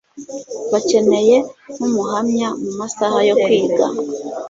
Bakeneye nkumuhamya mu masaha yo kwiga